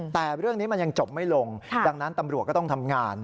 แต่เรื่องนี้มันยังจบไม่ลงดังนั้นตำรวจก็ต้องทำงาน